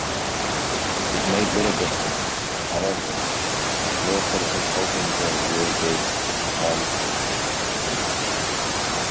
It made little difference, however, as loyal citizens opened the rear gates to Constantine.